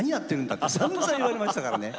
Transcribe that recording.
ってさんざん言われましたからね。